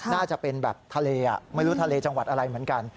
น่าจะเป็นแบบทะเลไม่รู้ทะเลจังหวัดอะไรเหมือนกัน